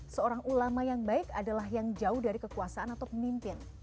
seorang ulama yang baik adalah yang jauh dari kekuasaan atau pemimpin